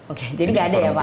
oke jadi nggak ada ya pak